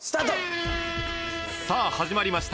さあ始まりました